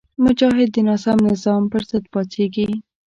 مجاهد د ناسم نظام پر ضد پاڅېږي.